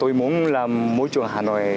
phủ tây hồ chỉ là một trong một mươi địa điểm